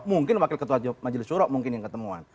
mungkin wakil ketua majelis suro mungkin yang ketemuan